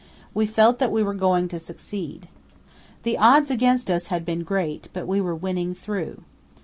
We felt that we were going to succeed. The odds against us had been great, but we were winning through.